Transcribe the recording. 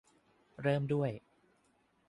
เริ่มด้วย